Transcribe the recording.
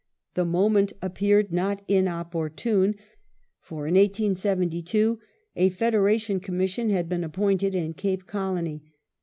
The moment appeared not inopportune, for in 1872 a Federation Commission had been appointed in Cape Colony.